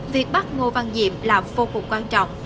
việc bắt ngô văn diệm là vô cùng quan trọng